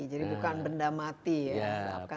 jadi bukan benda mati ya